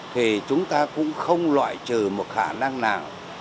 thì chúng ta cũng không loại trừ một khả năng nào